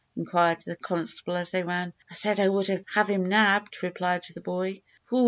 inquired the constable, as they ran. "I said I would have him nabbed," replied the boy. "Hoot!